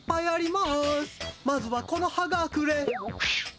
まずは木の葉がくれ。